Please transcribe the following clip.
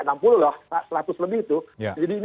enam puluh loh seratus lebih itu jadi ini